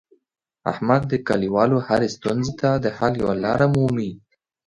احمد د کلیوالو هرې ستونزې ته د حل یوه لاره مومي.